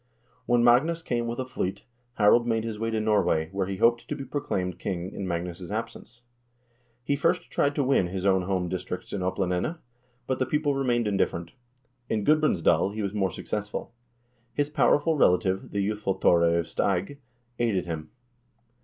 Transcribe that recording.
When Magnus came with a fleet, Harald made his way to Norway, where he hoped to be proclaimed king in Magnus' absence. He first tried to win his own home dis tricts in Oplandene, but the people remained indifferent. In Gud brandsdal he was more successful. I lis powerful relative, the youthful Thore of Steig, aided him.